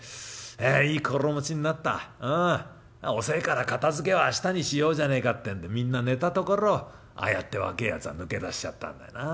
遅えから片づけは明日にしようじゃねえかってんでみんな寝たところああやって若えやつは抜け出しちゃったんだよなあ。